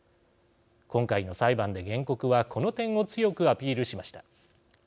今回の裁判で、原告はこの点を強くアピールしました。